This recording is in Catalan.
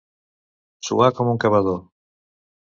Suar com un cavador.